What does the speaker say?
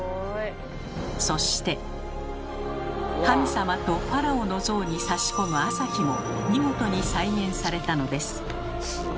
そして神様とファラオの像に差し込む朝日も見事に再現されたのです。